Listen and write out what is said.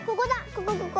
ここここ。